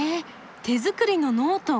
手作りのノート。